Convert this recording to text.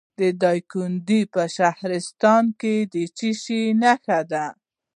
د دایکنډي په شهرستان کې د څه شي نښې دي؟